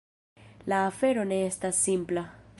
La afero ne estas simpla.